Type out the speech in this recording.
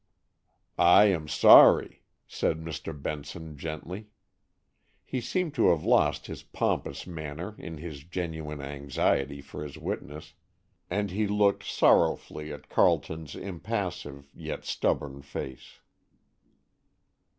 "I am sorry," said Mr. Benson gently. He seemed to have lost his pompous manner in his genuine anxiety for his witness, and he looked sorrowfully at Carleton's impassive, yet stubborn face.